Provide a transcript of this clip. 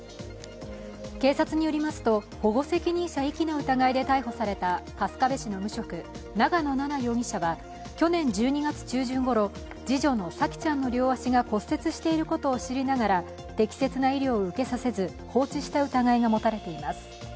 警察によりますと、保護責任者遺棄の疑いで逮捕された春日部市の無職、長野奈々容疑者は去年１２月中旬ごろ、次女の沙季ちゃんの両足が骨折していることを知りながら適切な医療を受けさせず放置した疑いが持たれています。